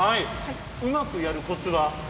うまくやるコツは？